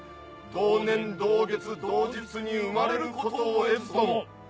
同年同月同日に生まれることを得ずとも。